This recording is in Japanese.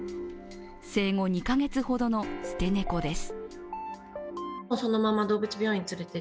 生後２カ月ほどの捨て猫です。